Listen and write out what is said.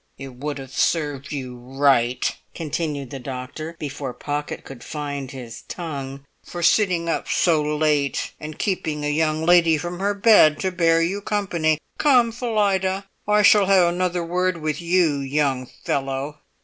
"It would have served you right," continued the doctor, before Pocket could find his tongue, "for sitting up so late, and keeping a young lady from her bed to bear you company. Come, Phillida! I shall have another word with you, young fellow."